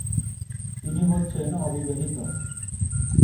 তিনি হচ্ছেন অবিবাহিত।